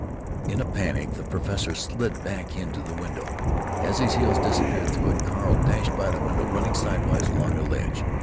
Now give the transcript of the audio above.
In a panic the professor slid back into the window. As his heels disappeared through it, Carl dashed by the window, running sidewise along the ledge.